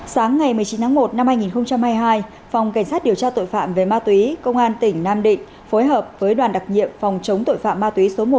sáng ngày một mươi chín tháng một năm hai nghìn hai mươi hai phòng cảnh sát điều tra tội phạm về ma túy công an tỉnh nam định phối hợp với đoàn đặc nhiệm phòng chống tội phạm ma túy số một